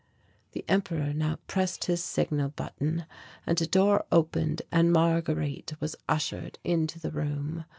The Emperor now pressed his signal button and a door opened and Marguerite was ushered into the room.